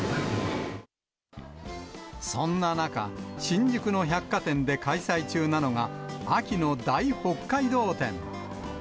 そんな中、新宿の百貨店で開催中なのが、秋の大北海道展。